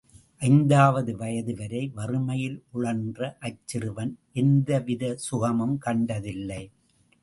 ஐந்தாவது வயது வரை வறுமையில் உழன்ற அச் சிறுவன் எந்தவிதசுகமும் கண்டதில்லை.